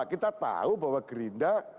kita tahu bahwa gerindra